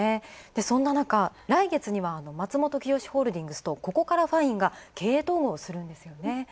そんな中、来月にはマツモトキヨシホールディングスとココカラファインが経営統合するんですよね。